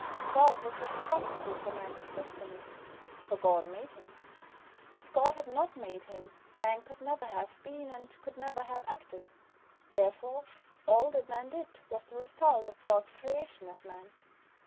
God was responsible for Man's existence, for God made him. If God had not made him, Man could never have been, and could never have acted. Therefore all that Man did was the result of God's creation of Man.